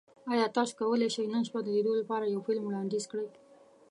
ایا تاسو کولی شئ نن شپه د لیدو لپاره یو فلم وړاندیز کړئ؟